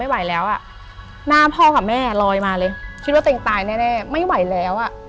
หน้าพ่อกับแม่ลอยมาเลยคิดว่าต้องตายแน่ไม่ไหวแล้ว